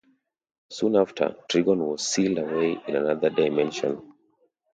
Soon after, Trigon was sealed away in another dimension.